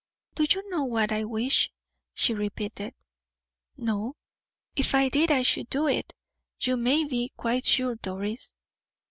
"Do you know what I wish?" she repeated. "No; if I did I should do it, you may be quite sure, Doris."